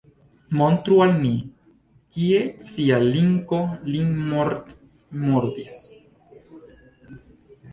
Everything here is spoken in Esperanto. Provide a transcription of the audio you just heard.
Montru al ni, kie cia linko lin mortmordis?!